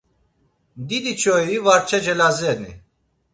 Didiçoyii varça Celazeni?